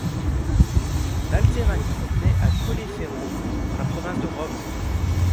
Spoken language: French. Balzerani nait à Colleferro, dans la province de Rome.